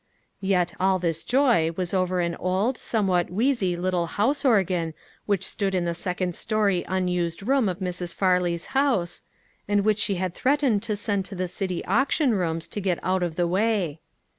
Yet all this joy was over an old, somewhat wheezy little house organ which stood in the TOO GOOD TO BE TRUE. 399 second story unused room of Mrs. Farley's house, and which she had threatened to send to the city auction rooms to get out of the way.